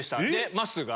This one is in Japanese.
まっすーが？